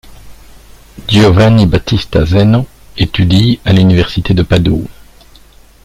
Giovanni Battista Zeno étudie à l'université de Padoue.